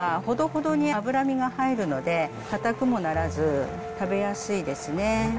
豚の肩ロースは、ほどほどに脂身が入るので、硬くもならず、食べやすいですね。